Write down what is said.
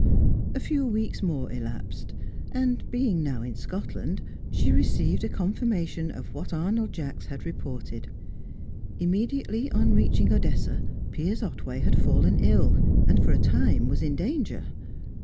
A few weeks more elapsed, and being now in Scotland she received a confirmation of what Arnold Jacks had reported. Immediately on reaching Odessa, Piers Otway had fallen ill, and for a time was in danger.